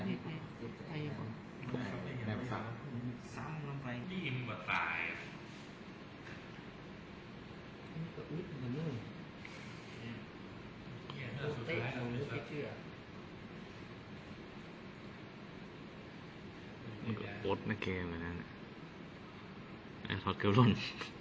มันคือโป๊ตในเกมแบบนั้นเนี้ยทอดเกลือล่น